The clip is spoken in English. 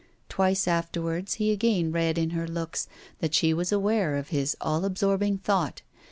Twice afterwards he again read in her looks that she was aware of his all absorbing thought.